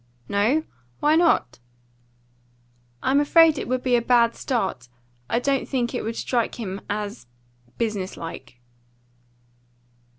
"No? Why not?" "I'm afraid it would be a bad start. I don't think it would strike him as business like."